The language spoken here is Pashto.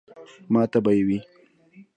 ماته به ئې وې ـ